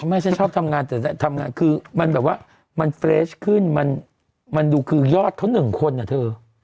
ไม่ฉันชอบทำงานแต่ทำงานคือมันแบบว่ามันเฟรชขึ้นมันดูคือยอดเขาหนึ่งคนอ่ะเธอ